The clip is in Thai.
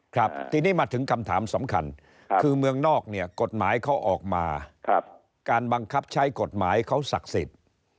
ครับทีนี้มาถึงคำถามสำคัญคือเมืองนอกเนี่ยกฎหมายเขาออกมาการบังคับใช้กฎหมายเขาศักดิ์สิทธิ์